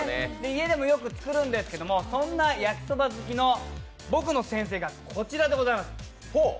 家でもよく作るんですけれどもそんな焼きそば好きの僕の先生がこちらでございます。